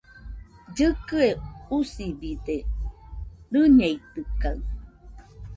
Llɨkɨe usibide, rɨñeitɨkaɨ